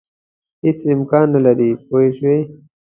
هېڅ امکان نه لري پوه شوې!.